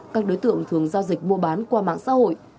các đối tượng thường giao dịch mua bán qua mạng xã hội